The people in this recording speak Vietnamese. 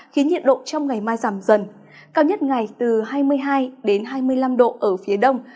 khiến nhiệt độ trong ngày mai giảm dần cao nhất ngày từ hai mươi hai hai mươi năm độ ở phía đông